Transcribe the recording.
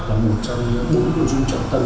là một trong những bốn nội dung trọng tầng